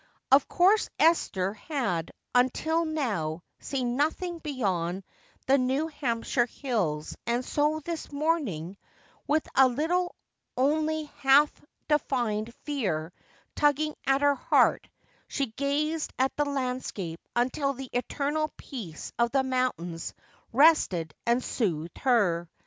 Of course Esther had until now seen nothing beyond the New Hampshire hills and so this morning, with a little only half defined fear tugging at her heart, she gazed at the landscape until the eternal peace of the mountains rested and soothed her.